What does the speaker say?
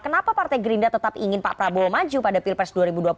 kenapa partai gerindra tetap ingin pak prabowo maju pada pilpres dua ribu dua puluh empat